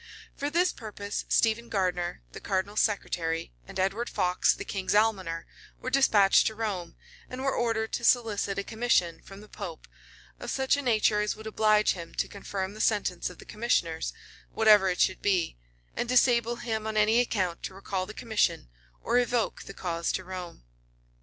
For this purpose, Stephen Gardiner, the cardinal's secretary, and Edward Fox, the king's almoner, were despatched to Rome, and were ordered to solicit a commission from the pope, of such a nature as would oblige him to confirm the sentence of the commissioners, whatever it should be, and disable him on any account to recall the commission, or evoke the cause to Rome.